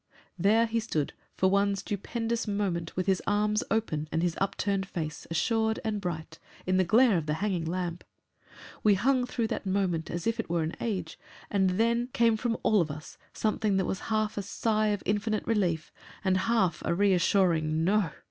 There he stood for one stupendous moment, with his arms open and his upturned face, assured and bright, in the glare of the hanging lamp. We hung through that moment as if it were an age, and then came from all of us something that was half a sigh of infinite relief and half a reassuring "NO!"